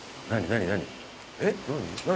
何？